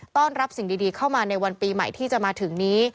ต้อนรับสิ่งดีเข้ามาในวันปีใหม่ที่จะมาถึงนี้